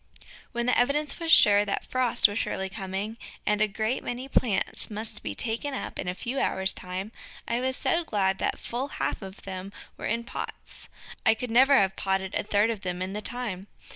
When the evidence was sure that frost was surely coming, and a great many plants must be taken up in a few hours' time, I was so glad that full half of them were in pots. I could never have potted a third of them in the time.